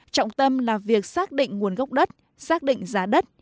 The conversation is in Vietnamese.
trọng tâm là việc xác định nguồn gốc đất xác định giá đất